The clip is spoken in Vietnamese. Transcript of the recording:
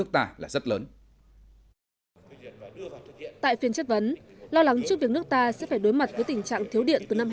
tại phiên chất vấn lo lắng trước việc nước ta sẽ phải đối mặt với tình trạng thiếu điện từ năm hai nghìn hai mươi